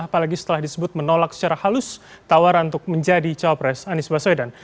apalagi setelah disebut menolak secara halus tawaran untuk menjadi cawapres anies baswedan